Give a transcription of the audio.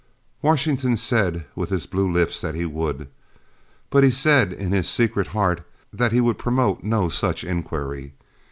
Washington said with his blue lips that he would, but he said in his secret heart that he would promote no such iniquity.